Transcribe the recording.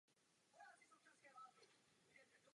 Ten si všiml jeho talentu a angažoval jej.